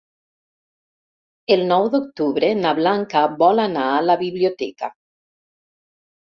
El nou d'octubre na Blanca vol anar a la biblioteca.